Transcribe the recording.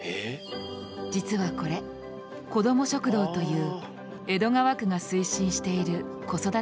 実はこれ子ども食堂という江戸川区が推進している子育て支援の一つ。